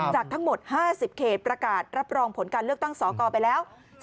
จากทั้งหมด๕๐เขตประกาศรับรองผลการเลือกตั้งสกไปแล้ว